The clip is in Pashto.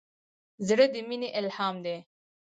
زړه د مینې الهام دی.